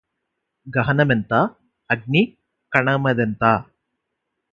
గహనమెంత అగ్ని కణమదెంత